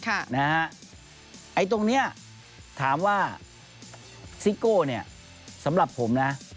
ไอ้ตรงนี้ถามว่าซิโก้เนี่ยสำหรับผมนะ